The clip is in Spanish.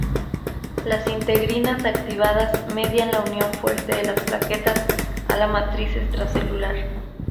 Las integrinas activadas median la unión fuerte de las plaquetas a la matriz extracelular.